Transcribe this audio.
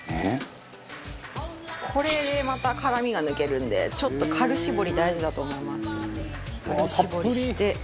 これでまた辛みが抜けるんでちょっと軽絞り大事だと思います。